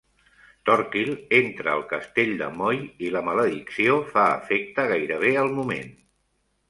Torquil entra al castell de Moy i la maledicció fa efecte gairebé al moment.